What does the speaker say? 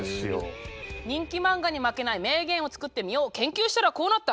人気漫画に負けない名言を作ってみよう研究したらこうなった。